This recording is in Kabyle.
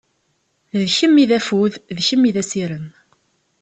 D kemm i d affud, d kemm i d asirem.